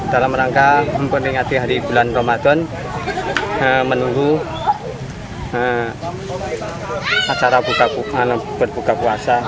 dalam rangka memperingati hari bulan ramadan menunggu acara berbuka puasa